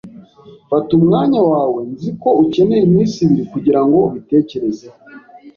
Fata umwanya wawe. Nzi ko ukeneye iminsi ibiri kugirango ubitekerezeho.